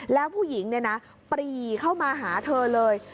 แล้วผู้หญิงปรีเข้ามาหาเธอเลย